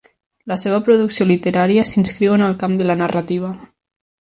La seua producció literària s'inscriu en el camp de la narrativa.